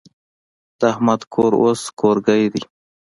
د احمد کور اوس کورګی دی.